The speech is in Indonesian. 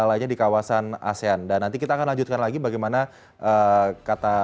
lainnya di kawasan asean dan nanti kita akan lanjutkan lagi bagaimana kata